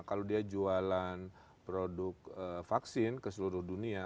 kalau dia jualan produk vaksin ke seluruh dunia